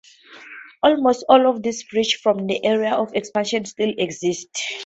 Almost all of these bridges from that era of expansion still exist.